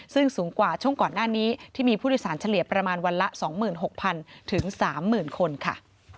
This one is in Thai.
ซึ่งสูงกว่าช่วงก่อนหน้านี้ที่มีผู้โดยสารเฉลี่ยประมาณวันละ๒๖๐๐๐๓๐๐คนค่ะ